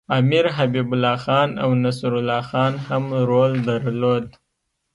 امیر حبیب الله خان او نصرالله خان هم رول درلود.